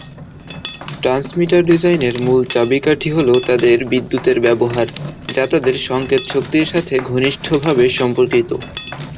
Transmitter ডিজাইনের মূল চাবিকাঠি হল তাদের বিদ্যুতের ব্যবহার যা তাদের সংকেত শক্তির সাথে ঘনিষ্ঠভাবে সম্পর্কিত।